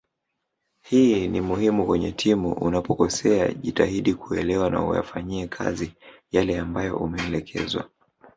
Hii ni muhimu kwenye timu unapokosea jitahidi kuelewa na uyafanyie kazi yale ambayo umeelekezwa